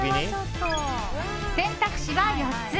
選択肢は４つ。